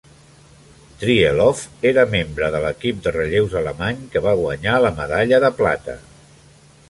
Trieloff era membre de l"equip de relleus alemany que va guanyar la medalla de plata.